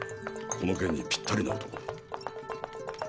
この件にぴったりの男を。